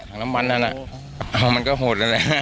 ถังน้ำมันนั่นอะเอามันก็โหดนั่นแหละ